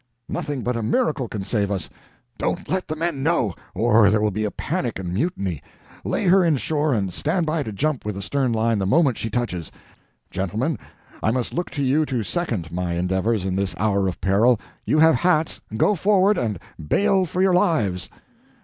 "Nothing but a miracle can save us! Don't let the men know, or there will be a panic and mutiny! Lay her in shore and stand by to jump with the stern line the moment she touches. Gentlemen, I must look to you to second my endeavors in this hour of peril. You have hats go forward and bail for your lives!"